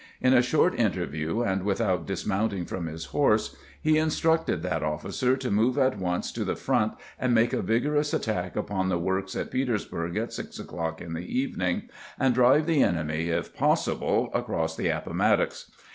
In a short interview, and with out dismounting from his horse, he instructed that offi cer to move at once to the front and make a vigorous attack upon the works at Petersburg at six o'clock in the evening, and drive the enemy, if possible, across the Appomattox.